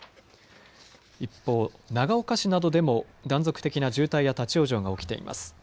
一方、長岡市などでも断続的な渋滞や立往生が起きています。